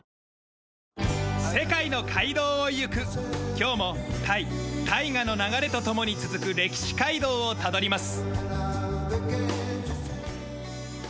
今日もタイ大河の流れと共に続く歴史街道をたどります。